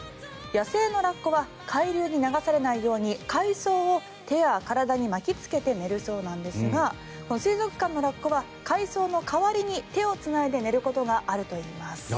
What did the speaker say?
野生のラッコは海流に流されないように海藻を手や体に巻きつけて寝るそうなんですが水族館のラッコは海藻の代わりに手をつないで寝ることがあるといいます。